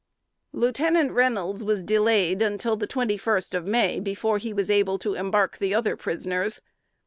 Lieutenant Reynolds was delayed until the twenty first of May before he was able to embark the other prisoners.